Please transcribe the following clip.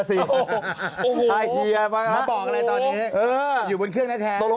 ได้ยิน